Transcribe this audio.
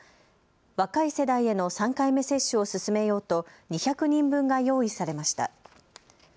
若い世代への３回目接種を進めようと２００人分が用意されました。